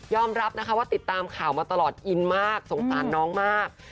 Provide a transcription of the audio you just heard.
รับนะคะว่าติดตามข่าวมาตลอดอินมากสงสารน้องมาก